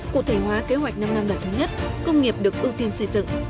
cụ thể hóa kế hoạch năm năm lần thứ nhất công nghiệp được ưu tiên xây dựng